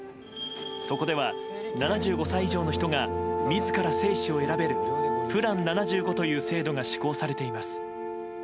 そこでは７５歳以上の人が自ら生死を選べるプラン７５という制度が施行されています。